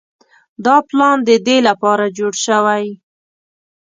دا پلان د دې لپاره جوړ شوی.